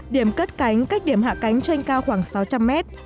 điểm cất cánh cách điểm hạ cánh trên cao khoảng sáu trăm linh mét